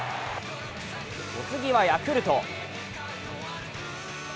お次はヤクルト。